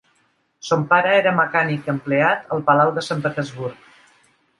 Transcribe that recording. Son pare era mecànic empleat al palau de Sant Petersburg.